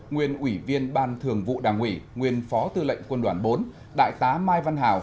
nguyên ủy viên ban thường vụ đảng ủy nguyên phó tư lệnh quân đoàn bốn đại tá mai văn hảo